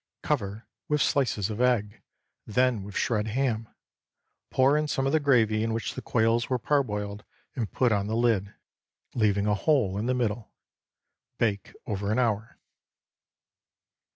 Cover with slices of egg, then with shred ham; pour in some of the gravy in which the quails were parboiled, and put on the lid, leaving a hole in the middle. Bake over an hour.